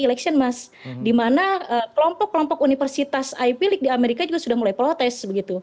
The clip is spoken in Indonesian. election mask dimana kelompok kelompok universitas epilic di amerika juga sudah mulai protes begitu